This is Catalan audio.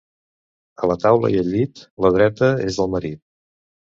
A la taula i al llit, la dreta és del marit.